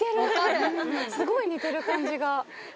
すごい似てる感じが。